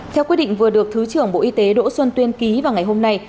theo quyết định vừa được thứ trưởng bộ y tế đỗ xuân tuyên ký vào ngày hôm nay